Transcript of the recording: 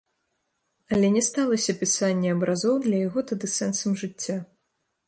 Але не сталася пісанне абразоў для яго тады сэнсам жыцця.